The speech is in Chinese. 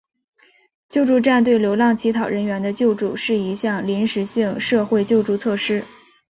救助站对流浪乞讨人员的救助是一项临时性社会救助措施。